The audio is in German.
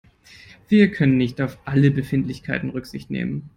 Wir können nicht auf alle Befindlichkeiten Rücksicht nehmen.